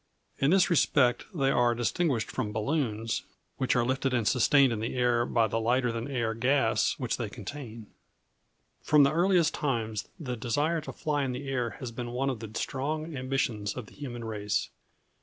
In this respect they are distinguished from balloons, which are lifted and sustained in the air by the lighter than air gas which they contain. From the earliest times the desire to fly in the air has been one of the strong ambitions of the human race.